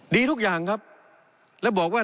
ดีทุกอย่างครับแล้วบอกว่า